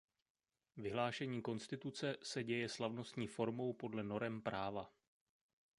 Vyhlášení konstituce se děje slavnostní formou podle norem práva.